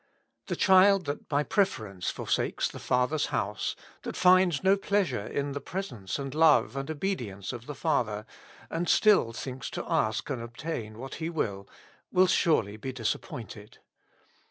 The child that by preference forsakes the father's house, that finds no pleasure in the presence and love and obedience of the father, and still thinks to ask and obtain what he will, will surely be disappointed.